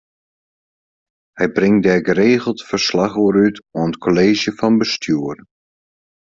Hy bringt dêr geregeld ferslach oer út oan it Kolleezje fan Bestjoer.